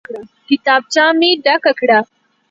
کتابچه مې ډکه کړه.